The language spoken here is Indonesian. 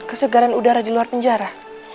kesegaran udara di luar penjara